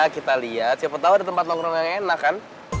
kita lihat siapa tahu ada tempat nongkrong yang enak kan